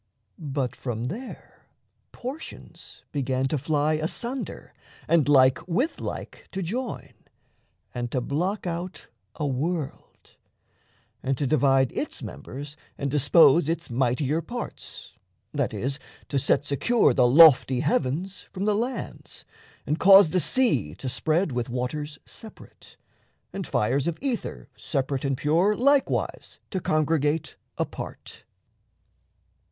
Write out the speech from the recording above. But from there Portions began to fly asunder, and like With like to join, and to block out a world, And to divide its members and dispose Its mightier parts that is, to set secure The lofty heavens from the lands, and cause The sea to spread with waters separate, And fires of ether separate and pure Likewise to congregate apart.